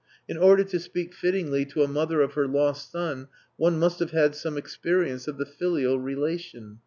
In order to speak fittingly to a mother of her lost son one must have had some experience of the filial relation.